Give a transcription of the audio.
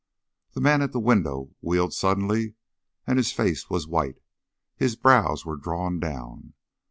The man at the window wheeled suddenly and his face was white, his brows were drawn down.